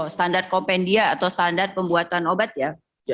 standar kompendia atau standar pembuatan obat ya